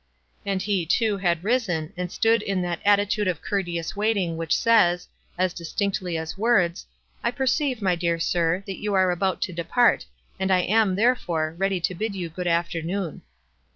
And he, too, had risen, and stood in that at titude of courteous waiting which says, as dis tinctly as words, "I perceive, my dear sir, that you are about to depart, and I am, therefore, ready to bid you f good afternoon.'"